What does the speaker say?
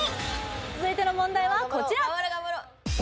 続いての問題はこちら頑張ろう